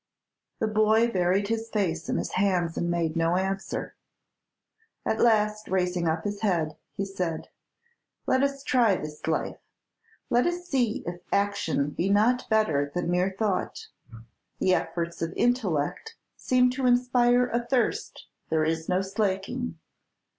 The boy buried his face in his hands and made no answer. At last, raising up his head, he said, "Let us try this life; let us see if action be not better than mere thought. The efforts of intellect seem to inspire a thirst there is no slaking.